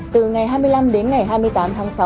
từ ngày hai mươi năm đến ngày hai mươi tám tháng sáu